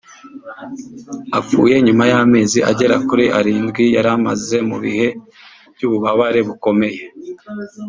apfuye nyuma y’amezi agera kuri arindwi yari amaze mu bihe by’ububabare bukomeye